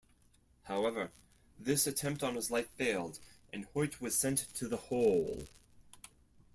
However, this attempt on his life failed and Hoyt was sent to the hole.